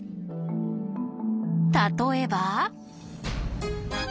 例えば。